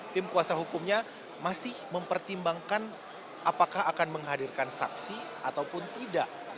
tim kuasa hukumnya masih mempertimbangkan apakah akan menghadirkan saksi ataupun tidak